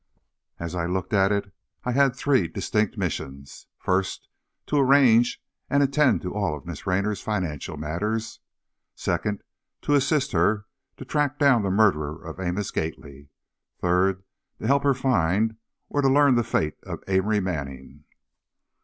As I looked at it I had three distinct missions. First, to arrange and attend to all of Miss Raynor's financial matters. Second, to assist her to track down the murderer of Amos Gately. Third, to help her to find, or to learn the fate of Amory Manning.